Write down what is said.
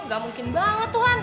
gak mungkin banget tuhan